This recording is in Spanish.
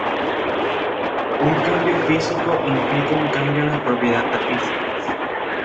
Un cambio físico implica un cambio en las propiedades físicas.